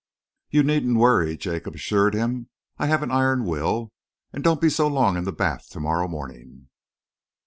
"You needn't worry," Jacob assured him. "I have an iron will. And don't be so long in the bath to morrow morning."